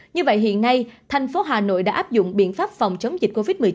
như vậy hiện nay thành phố hà nội đã áp dụng biện pháp phòng chống dịch covid một mươi chín